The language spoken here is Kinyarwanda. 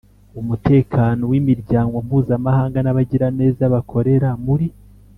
umutekano w Imiryango Mpuzamahanga n abagiraneza bakorera muri